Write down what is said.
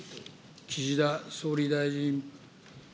岸田総理大臣。